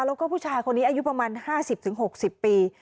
แล้วก็ผู้ชายคนนี้อายุประมาณ๕๐๖๐ปี